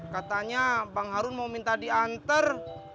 katanya bang harun mau minta diantar